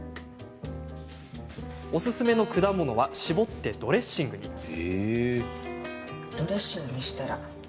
おすすめの果物は搾ってドレッシングに。